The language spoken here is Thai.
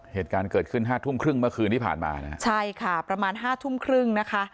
เหตุการณ์เกิดขึ้นห้าทุ่มครึ่งเมื่อคืนที่ผ่านมานะฮะใช่ค่ะประมาณห้าทุ่มครึ่งนะคะ